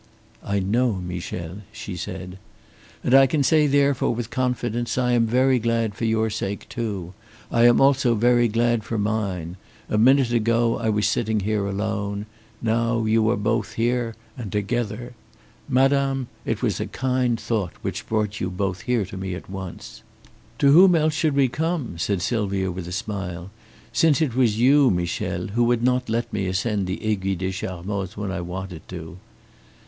"I know, Michel," she said. "And I can say therefore with confidence I am very glad for your sake too. I am also very glad for mine. A minute ago I was sitting here alone now you are both here and together. Madame, it was a kind thought which brought you both here to me at once." "To whom else should we come?" said Sylvia with a smile, "since it was you, Michel, who would not let me ascend the Aiguille des Charmoz when I wanted to."